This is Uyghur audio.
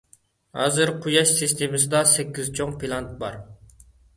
ھازىر قۇياش سىستېمىسىدا سەككىز چوڭ پىلانېتا بار.